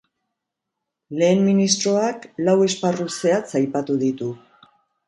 Lehen ministroak lau esparru zehatz aipatu ditu.